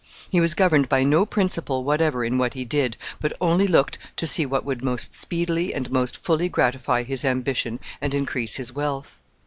He was governed by no principle whatever in what he did, but only looked to see what would most speedily and most fully gratify his ambition and increase his wealth.